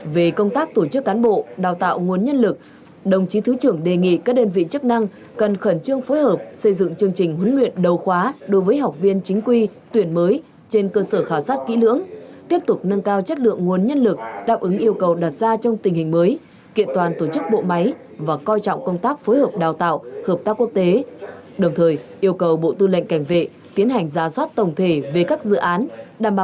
về công tác tổ chức cán bộ đào tạo nguồn nhân lực đồng chí thứ trưởng đề nghị các đơn vị chức năng cần khẩn trương phối hợp xây dựng chương trình huấn luyện đầu khóa đối với học viên chính quy tuyển mới trên cơ sở khảo sát kỹ lưỡng tiếp tục nâng cao chất lượng nguồn nhân lực đáp ứng yêu cầu đặt ra trong tình hình mới kiện toàn tổ chức bộ máy và coi trọng công tác phối hợp đào tạo hợp tác quốc tế đồng thời yêu cầu bộ tư lệnh cảnh vệ tiến hành giá soát tổng thể về các dự án đảm